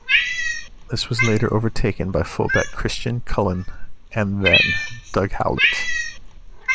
This was later overtaken by fullback Christian Cullen and then Doug Howlett.